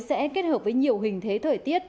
sẽ kết hợp với nhiều hình thế thời tiết